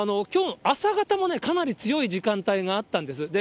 きょう、朝方もかなり強い時間帯があったんです。